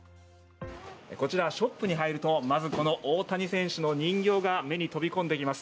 こちら、ショップに入るとまず、この大谷選手の人形が目に飛び込んできます。